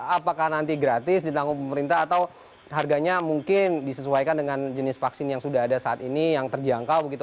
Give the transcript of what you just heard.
apakah nanti gratis ditanggung pemerintah atau harganya mungkin disesuaikan dengan jenis vaksin yang sudah ada saat ini yang terjangkau begitu